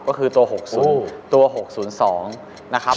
ก็คือตัว๖๐๒นะครับ